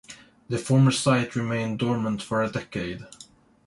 The former site remained dormant for a decade.